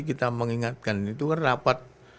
kita mengingatkan itu karena dapat